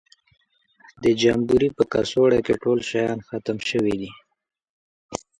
د جمبوري په کڅوړه کې ټول شیان ختم شوي دي.